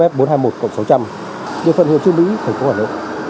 điện phận hồ chí minh thành phố hà nội